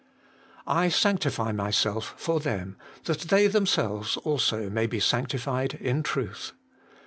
' I sanctify myself for them, that they themselves also may be sanctified in truth.'